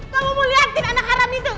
kamu mau lihatin anak haram itu